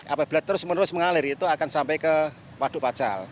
apabila terus menerus mengalir itu akan sampai ke waduk pacal